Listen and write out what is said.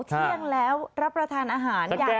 เที่ยงแล้วรับประทานอาหารอย่าง